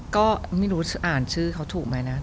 ก็ไม่รู้อ่านชื่อเขาถูกไหมนะ